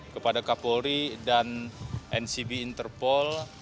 kepada k polri dan ncb interpol